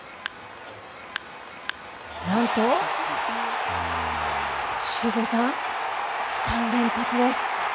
何と、修造さん３連発です。